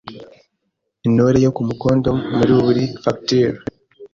Intore yo ku mukondo muri buri faculty;